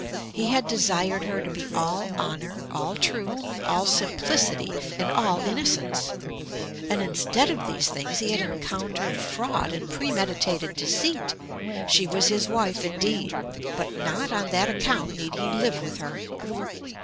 He had desired her to be all honour, all truth, all simplicity, and all innocence. And instead of these things he had encountered fraud and premeditated deceit. She was his wife indeed; but not on that account need he live with her.